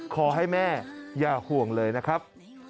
ขอให้แม่อย่าห่วงเลยนะครับ